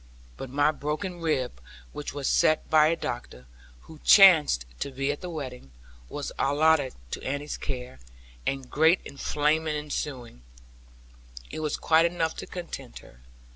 But my broken rib, which was set by a doctor, who chanced to be at the wedding, was allotted to Annie's care; and great inflammation ensuing, it was quite enough to content her.